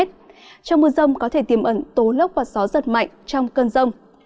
trong mưa rông có thể tiềm ẩn tố lốc và gió giật mạnh trong cơn rông